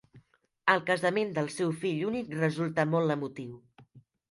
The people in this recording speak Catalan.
El casament del seu fill únic resulta molt emotiu.